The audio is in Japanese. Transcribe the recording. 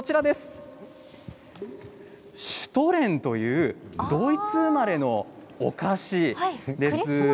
シュトレンというドイツ生まれのお菓子です。